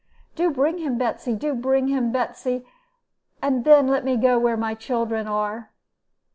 'Do bring him, Betsy; only bring him, Betsy, and then let me go where my children are.'